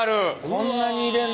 こんなに入れんの。